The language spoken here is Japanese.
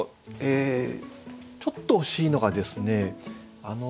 ちょっと惜しいのがですね